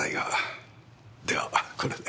ではこれで。